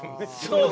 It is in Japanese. そう。